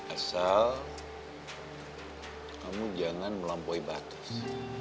asal kamu jangan melampaui batas